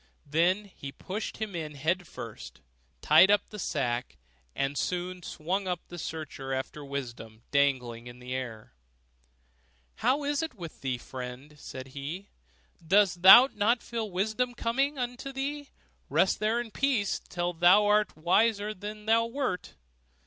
Then he pushed him in head first, tied up the sack, and soon swung up the searcher after wisdom dangling in the air. 'How is it with thee, friend?' said he, 'dost thou not feel that wisdom comes unto thee? Rest there in peace, till thou art a wiser man than thou wert.